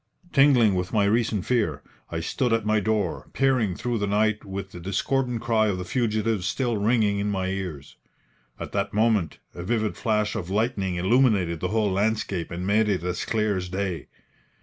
Tingling with my recent fear, I stood at my door, peering through the night with the discordant cry of the fugitives still ringing in my ears. At that moment a vivid flash of lightning illuminated the whole landscape and made it as clear as day.